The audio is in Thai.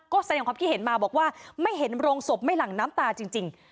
ก็แสดงความคิดเห็นมาบอกว่าไม่เห็นโรงศพไม่หลั่งน้ำตาจริง